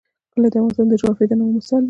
کلي د افغانستان د جغرافیوي تنوع مثال دی.